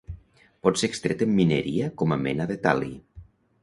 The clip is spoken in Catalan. Pot ser extret en mineria com a mena de tal·li.